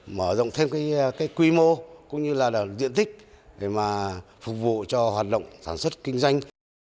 mở rộng thêm cái quy mô cũng như là diện tích để mà phục vụ cho hoạt động sản xuất kinh doanh